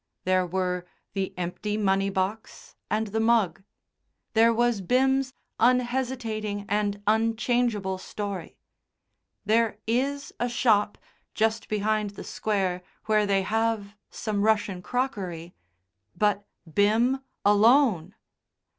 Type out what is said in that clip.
There were the empty money box and the mug. There was Bim's unhesitating and unchangeable story. There is a shop, just behind the Square, where they have some Russian crockery. But Bim alone!